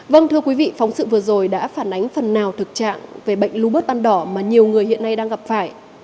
vâng thưa quý vị phóng sự vừa rồi đã phản ánh phần nào thực trạng về bệnh lupus ban đỏ mà nhiều người hiện nay đang gặp phải